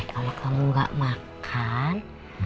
kalau kamu gak makan